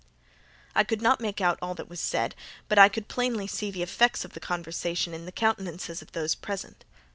I could not make out all that was said, but I could plainly see the effects of the conversation in the countenances of those present.